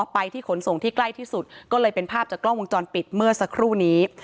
ไปที่ขนส่งที่ใกล้ที่สุดก็เลยเป็นภาพจากกล้องวงจรปิดเมื่อสักครู่นี้